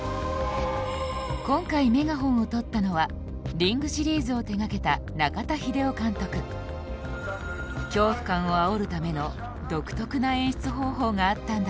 今回メガホンを取ったのは「リング」シリーズを手がけた中田秀夫監督恐怖感をあおるための独特な演出方法があったんだ